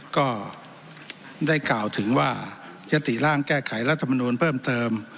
ก็ได้กล่าวถึงว่ายติร่างแก้ไขรัฐมนูลเพิ่มเติม